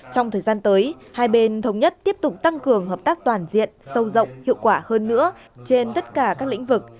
trong thời gian tới hai bên thống nhất tiếp tục tăng cường hợp tác toàn diện sâu rộng hiệu quả hơn nữa trên tất cả các lĩnh vực